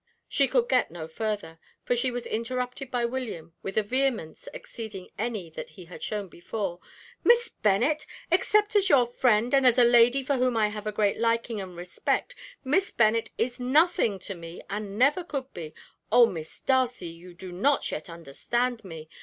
She could get no further, for she was interrupted by William with a vehemence exceeding any that he had shown before. "Miss Bennet! Except as your friend, and as a lady for whom I have a great liking and respect, Miss Bennet is nothing to me, and never could be. Oh, Miss Darcy, you do not yet understand me.